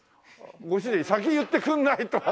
ご主人先言ってくれないと。